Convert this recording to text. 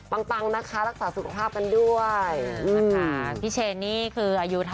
ปังปังนะคะรักษาสุขภาพกันด้วย